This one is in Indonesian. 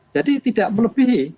jadi tidak melebihi